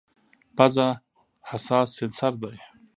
پزه حساس سینسر دی.